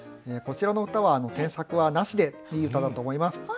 こちらの歌は添削はなしでいい歌だと思います。